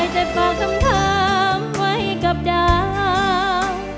ได้แต่พอคำถามไว้กับดาว